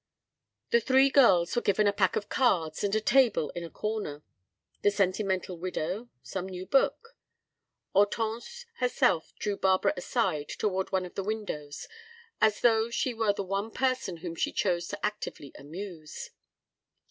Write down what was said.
The three girls were given a pack of cards and a table in a corner; the sentimental widow—some new book. Hortense herself drew Barbara aside toward one of the windows, as though she was the one person whom she chose to actively amuse.